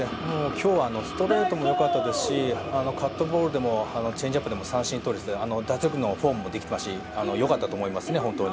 今日はストレートも良かったですしカットボールでもチェンジアップでも三振をとれててフォームもできてますし良かったと思いますね。